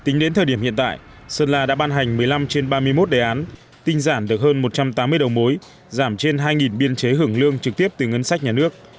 tính đến thời điểm hiện tại sơn la đã ban hành một mươi năm trên ba mươi một đề án tinh giản được hơn một trăm tám mươi đầu mối giảm trên hai biên chế hưởng lương trực tiếp từ ngân sách nhà nước